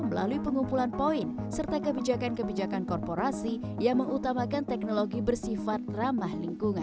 melalui pengumpulan poin serta kebijakan kebijakan korporasi yang mengutamakan teknologi bersifat ramah lingkungan